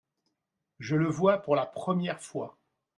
Je le vois pour la première fois.